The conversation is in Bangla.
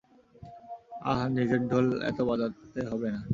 আহ, নিজের ঢোল এতো বাজাতে হবে না।